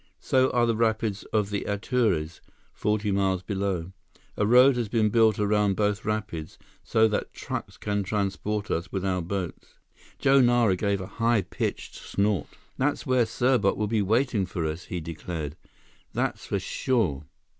So are the rapids of the Atures, forty miles below. A road has been built around both rapids, so that trucks can transport us with our boats." Joe Nara gave a high pitched snort. "That's where Serbot will be waiting for us," he declared. "That's for sure."